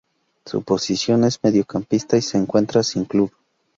Su posición es mediocampista y se encuentra sin club.